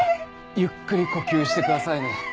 ゆっくり呼吸してくださいね。